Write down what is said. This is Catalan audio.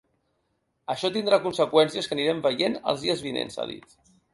Això tindrà conseqüències que anirem veient els dies vinents, ha dit.